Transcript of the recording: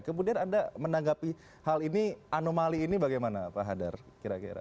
kemudian anda menanggapi hal ini anomali ini bagaimana pak hadar kira kira